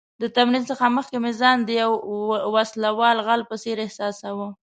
د تمرین څخه مخکې مې ځان د یو وسله وال غله په څېر احساساوه.